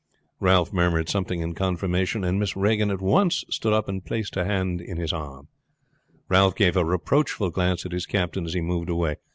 Ralph murmured something in confirmation, and Miss Regan at once stood up and placed her hand in his arm. Ralph gave a reproachful glance at his captain as he moved away.